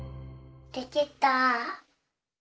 できた。